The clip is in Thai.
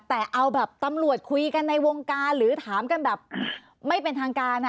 แต่เอาแบบตำรวจคุยกันในวงการหรือถามกันแบบไม่เป็นทางการ